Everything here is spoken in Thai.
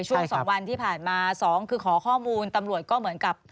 ช่วง๒วันที่ผ่านมาสองคือขอข้อมูลตำรวจก็เหมือนกับ